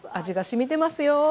味がしみてますよ！